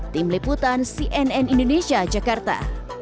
tim liputan cnn indonesia jakarta